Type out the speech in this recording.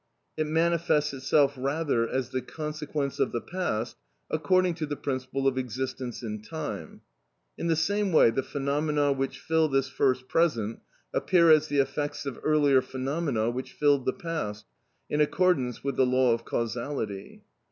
It manifests itself rather as the consequence of the past, according to the principle of existence in time. In the same way, the phenomena which fill this first present appear as the effects of earlier phenomena which filled the past, in accordance with the law of causality.